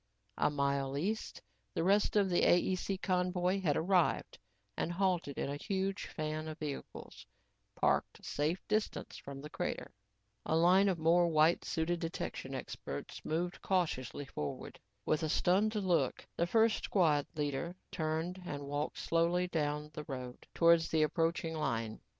A mile east, the rest of the AEC convoy had arrived and halted in a huge fan of vehicles, parked a safe distance from the crater. A line of more white suited detection experts moved cautiously forward. With a stunned look, the first squad leader turned and walked slowly down the road towards the approaching line.